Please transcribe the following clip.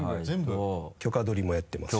許可取りもやってますし。